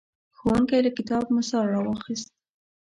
ښوونکی له کتاب مثال راواخیست.